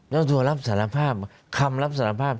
เจ้าตัวรับสารภาพคำรับสารภาพ